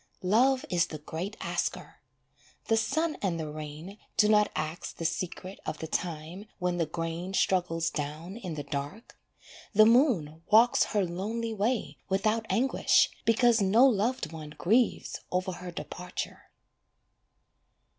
Love is the great Asker, The sun and the rain do not ask the secret Of the time when the grain struggles down in the dark. The moon walks her lonely way without anguish, Because no loved one grieves over her departure.